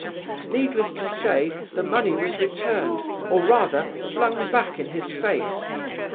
Needless to say, the money was returned, or rather flung back in his face.